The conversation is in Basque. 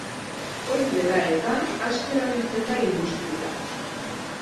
Hori dela eta, asko erabiltzen da industrian.